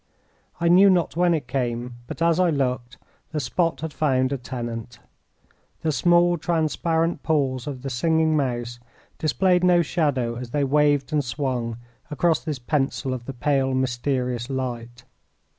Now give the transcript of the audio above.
I knew not when it came, but as I looked, the spot had found a tenant. The small, transparent paws of the Singing Mouse displayed no shadow as they waved and swung across this pencil of the pale, mysterious light.